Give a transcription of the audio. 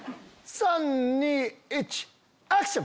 ３・２・１アクション！